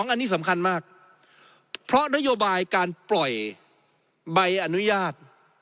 อันนี้สำคัญมากเพราะนโยบายการปล่อยใบอนุญาต